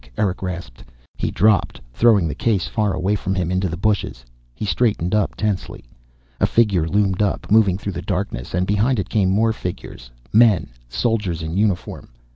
Erick rasped. He dropped, throwing the case far away from him, into the bushes. He straightened up tensely. A figure loomed up, moving through the darkness, and behind it came more figures, men, soldiers in uniform.